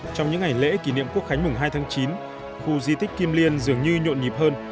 trong những ngày lễ kỷ niệm quốc khánh mùng hai tháng chín khu di tích kim liên dường như nhộn nhịp hơn